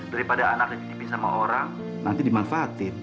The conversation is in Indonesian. daripada anak yang dipisah sama orang nanti dimanfaatin